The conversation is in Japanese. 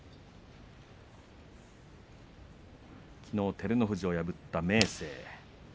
きのう照ノ富士を破った明生。